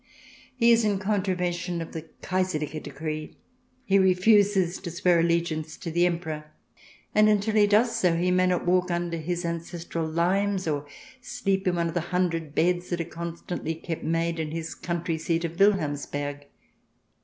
''*" He is in contravention of the Kaiserliche Decree, he refuses to swear alle giance to the Emperor, and until he does so he may not walk under his ancestral limes, or sleep in one of the hundred beds that are constantly kept "made" in his country seat of Wilhelmsberg.